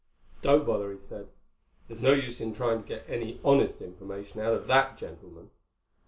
"Don't bother," he said. "There's no use trying to get any honest information out of that gentleman."